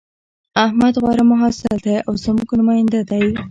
احمد غوره محصل او زموږ نماینده دی